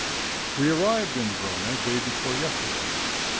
We arrived in Verona day before yesterday.